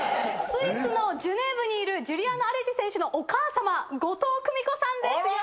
スイスのジュネーブにいるジュリアーノ・アレジ選手のお母さま後藤久美子さんです。